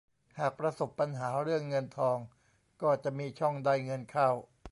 หากประสบปัญหาเรื่องเงินทองก็จะมีช่องได้เงินเข้า